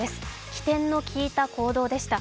機転の利いた行動でした。